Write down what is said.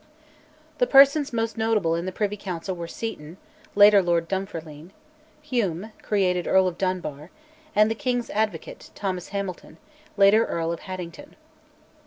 The persons most notable in the Privy Council were Seton (later Lord Dunfermline), Hume, created Earl of Dunbar, and the king's advocate, Thomas Hamilton, later Earl of Haddington.